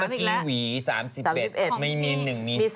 แล้วเมื่อกี้วี่๓๑ไม่มี๑นี่๓